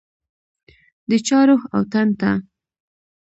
د چا روح او تن ته